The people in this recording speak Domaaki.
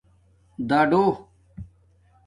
دَڈݸ